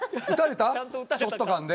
ショットガンで。